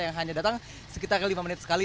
yang hanya datang sekitar lima menit sekali